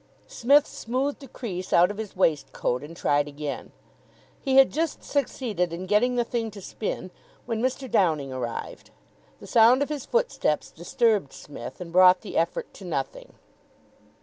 Psmith smoothed a crease out of his waistcoat and tried again. He had just succeeded in getting the thing to spin when Mr. Downing arrived. The sound of his footsteps disturbed Psmith and brought the effort to nothing.